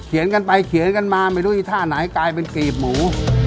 กันไปเขียนกันมาไม่รู้อีท่าไหนกลายเป็นกรีบหมู